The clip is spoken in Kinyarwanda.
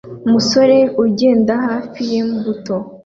Umusore ugenda hafi yimbuto